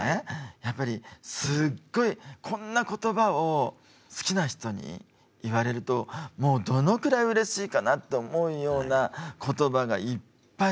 やっぱりすっごいこんな言葉を好きな人に言われるともうどのくらいうれしいかなって思うような言葉がいっぱい入ってるの。